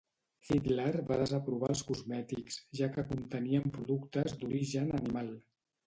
Hitler va desaprovar els cosmètics, ja que contenien productes d'origen animal